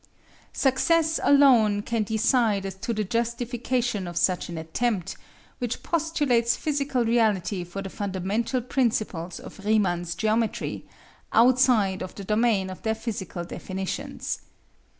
Success alone can decide as to the justification of such an attempt, which postulates physical reality for the fundamental principles of Riemann's geometry outside of the domain of their physical definitions.